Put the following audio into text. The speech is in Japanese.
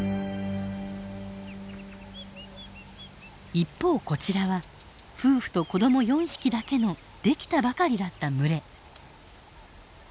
一方こちらは夫婦と子ども４匹だけのできたばかりだった群れ。